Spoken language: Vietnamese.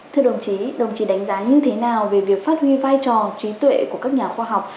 thưa đồng chí đồng chí đánh giá như thế nào về việc phát huy vai trò trí tuệ của các nhà khoa học